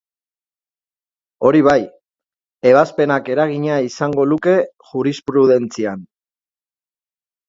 Hori bai, ebazpenak eragina izango luke jurisprudentzian.